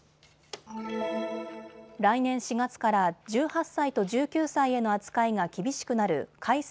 来年４月から１８歳と１９歳への扱いが厳しくなる改正